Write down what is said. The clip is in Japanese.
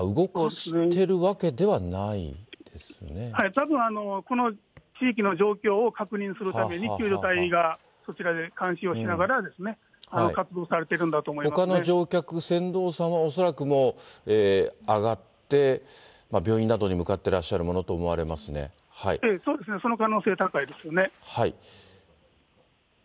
たぶん、この地域の状況を確認するために、救助隊がそちらで監視をしながらですね、活動されてるんだと思いほかの乗客、船頭さんは、恐らくもう上がって、病院などに向かってらっしゃるものと思われそうですね、その可能性高いですよね。